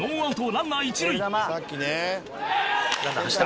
ランナー走った。